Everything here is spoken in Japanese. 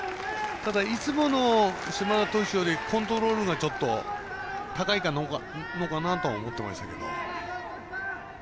ただ、いつもの島田投手よりコントロールがちょっと高いのかなと思ってましたけど。